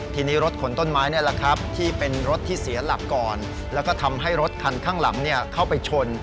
ทีนี้รถขนต้นไม้นี่แหละครับที่เป็นรถที่เสียหลักก่อนแล้วก็ทำให้รถคันข้างหลังเข้าไปชน